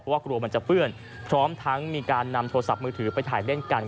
ว่ากลัวมันจะเปื้อนพร้อมทั้งมีการนำโทรศัพท์มือถือไปถ่ายเล่นกัน